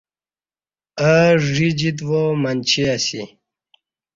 اہ ژ ی جیت وامنچی اسی